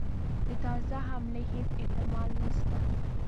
د تازه حملې هیڅ احتمال نسته.